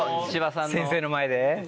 先生の前で？